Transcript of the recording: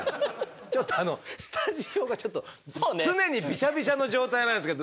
ちょっとスタジオがちょっと常にビシャビシャの状態なんですけど。